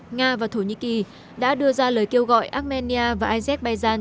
nga và thổ nhĩ kỳ đã đưa ra lời kêu gọi armenia và azerbaijan